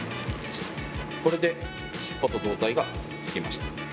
これで尻尾と胴体がくっつきました。